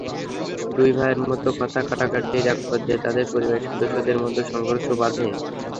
দুই ভাইয়ের মধ্যে কথা-কাটাকাটির একপর্যায়ে তাঁদের পরিবারের সদস্যদের মধ্যে সংঘর্ষ বাধে।